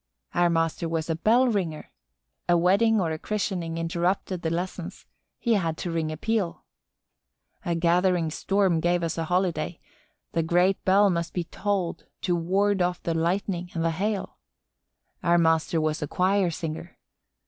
Our master was a bell ringer. A wedding or a christening interrupted the lessons; he had to ring a peal. A gathering storm gave us a holiday; the great bell must be tolled to ward off the lightning and the hail. Our master was a choir singer.